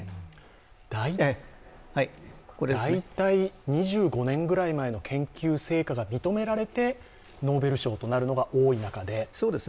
大体２５年ぐらい前の研究成果が認められてノーベル賞となるのが多い中で。